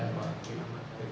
terima kasih pak